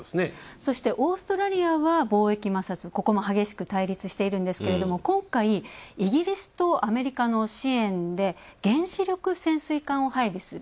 そして、オーストラリアは貿易摩擦、ここも激しく対立しているんですけれども今回、イギリスとアメリカの支援で原子力潜水艦を配備する。